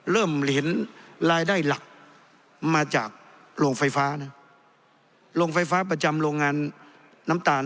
เหรียญรายได้หลักมาจากโรงไฟฟ้านะโรงไฟฟ้าประจำโรงงานน้ำตาล